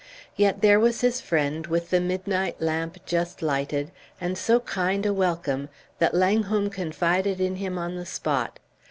Yet there was his friend, with the midnight lamp just lighted, and so kind a welcome that Langholm confided in him on the spot.